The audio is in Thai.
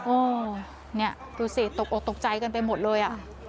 โอ้นี่ดูสิตกออกตกใจกันไปหมดเลยอ่ะ